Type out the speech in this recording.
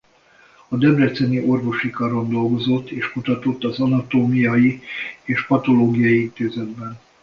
A debreceni Orvosi Karon dolgozott és kutatott az anatómiai és a patológiai intézetben.